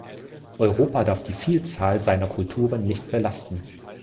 Europa darf die Vielzahl seiner Kulturen nicht belasten.